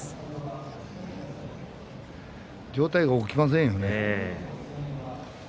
上体が起きませんよね。